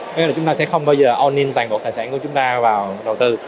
nghĩa là chúng ta sẽ không bao giờ oning toàn bộ tài sản của chúng ta vào đầu tư